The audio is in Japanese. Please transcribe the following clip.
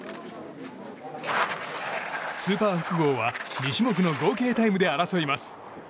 スーパー複合は２種目の合計タイムで争います。